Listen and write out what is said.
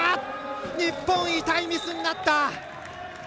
日本、痛いミスになった。